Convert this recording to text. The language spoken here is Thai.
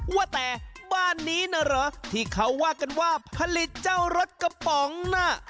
ว่าแต่บ้านนี้น่ะเหรอที่เขาว่ากันว่าผลิตเจ้ารถกระป๋องน่ะ